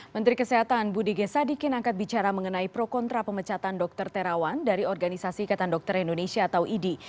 menteri kesehatan budi g sadikin angkat bicara mengenai pro kontra pemecatan dokter terawan dari organisasi ikatan dokter indonesia atau idi